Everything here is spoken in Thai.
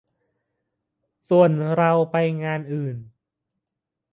ส่วนเราไปงานอื่น